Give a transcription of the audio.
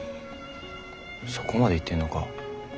そこまでいってんのか。